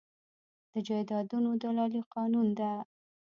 د جایدادونو دلالي قانوني ده؟